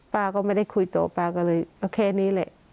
ป้าก็ไม่ได้คุยต่อป้าก็เลยเอาแค่นี้แหละ